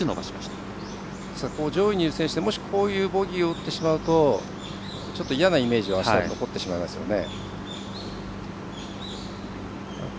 上位にいる選手でもし、こういうボギーを打ってしまうとちょっと嫌なイメージがあしたに残ってしまいますよね。